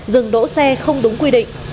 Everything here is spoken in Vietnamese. dừng đỗ xe không đúng quy định